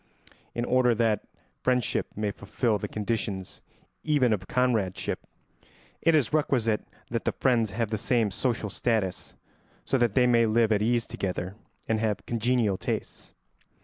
In order that friendship may fulfil the conditions even of comradeship, it is requisite that the friends have the same social status, so that they may live at ease together and have congenial tastes.